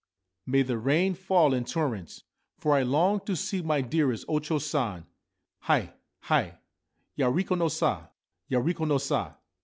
May the rain fall in torrents ! For I long to see my dearest O Cho San. Hi, Hi, Ya re ko no sa ! Ya re ko no sa